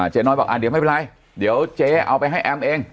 เจ๊น้อยบอกเดี๋ยวไม่เป็นไรเดี๋ยวเจ๊เอาไปให้แอมเอง